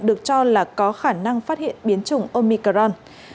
được cho là có khả năng phát hiện biến chủng omicron